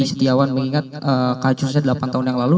setiawan mengingat kasusnya delapan tahun yang lalu